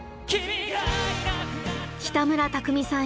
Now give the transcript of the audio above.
北村匠海さん